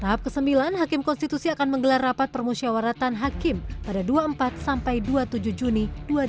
tahap ke sembilan hakim konstitusi akan menggelar rapat permusyawaratan hakim pada dua puluh empat sampai dua puluh tujuh juni dua ribu dua puluh